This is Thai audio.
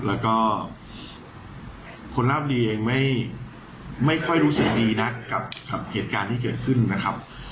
แล้วก็คนราบดีเองไม่ค่อยรู้สึกดีนักกับเหตุการณ์ที่เกิดขึ้นนะครับ